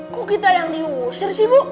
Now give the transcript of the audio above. kok kita yang diusir sih bu